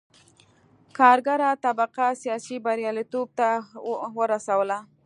کارګره طبقه سیاسي بریالیتوب ته ورسوله.